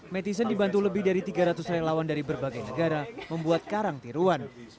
netizen dibantu lebih dari tiga ratus relawan dari berbagai negara membuat karang tiruan